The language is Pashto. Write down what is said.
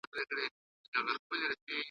ژوند مي جهاني له نن سبا تمه شلولې ده `